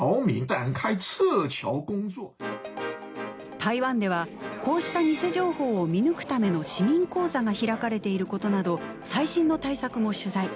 台湾ではこうした偽情報を見抜くための市民講座が開かれていることなど最新の対策も取材。